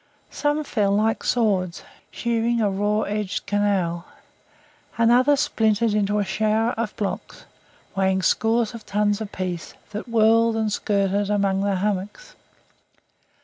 Some fell like swords, shearing a raw edged canal; and others splintered into a shower of blocks, weighing scores of tons apiece, that whirled and skirted among the hummocks.